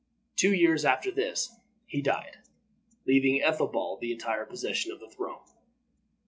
Two years after this he died, leaving Ethelbald the entire possession of the throne.